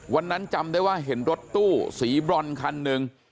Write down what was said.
จำได้ว่าเห็นรถตู้สีบรอนคันหนึ่ง